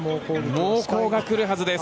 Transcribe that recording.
猛攻が来るはずです。